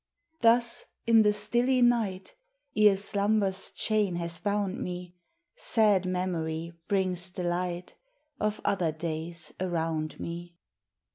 Thus in the stilly night, Ere slumber's chain has bound me, Sad Memory brings the light Of other days around me.